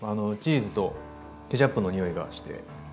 チーズとケチャップのにおいがして。